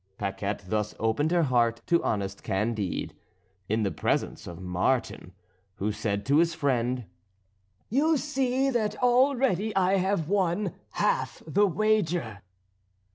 " Paquette thus opened her heart to honest Candide, in the presence of Martin, who said to his friend: "You see that already I have won half the wager."